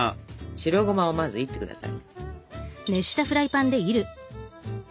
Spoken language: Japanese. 白ゴマをまずいって下さい。